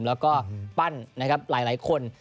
แล้วก็ปั้นหลายคน